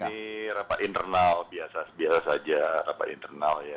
ini rapat internal biasa saja rapat internal ya